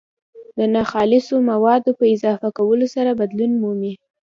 د ناخالصو مادو په اضافه کولو سره بدلون مومي.